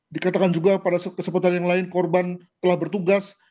dikatakan juga pada kesempatan yang lain korban telah bertugas